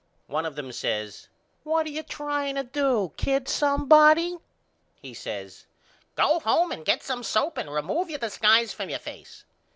One of them says What are you trying to do kid somebody? He says Go home and get some soap and remove your disguise from your face.